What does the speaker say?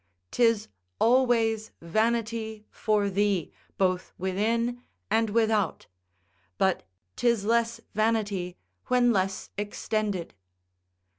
'Tis always vanity for thee, both within and without; but 'tis less vanity when less extended.